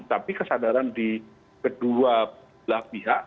tapi kesadaran di kedua belah pihak